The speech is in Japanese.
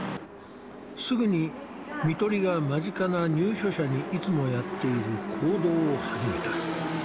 すぐに看取りが間近な入所者にいつもやっている行動を始めた。